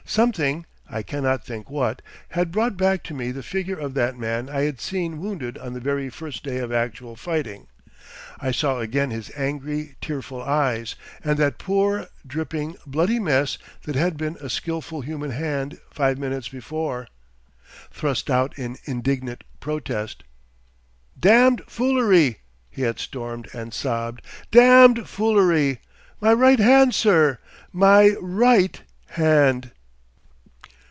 Something—I cannot think what—had brought back to me the figure of that man I had seen wounded on the very first day of actual fighting. I saw again his angry, tearful eyes, and that poor, dripping, bloody mess that had been a skilful human hand five minutes before, thrust out in indignant protest. "Damned foolery," he had stormed and sobbed, "damned foolery. My right hand, sir! My right hand.